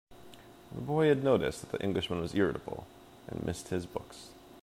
The boy had noticed that the Englishman was irritable, and missed his books.